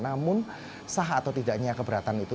namun sah atau tidaknya keberatan itu